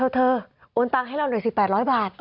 เธอโอนตังให้เราหน่อยสิแปดร้อยบาท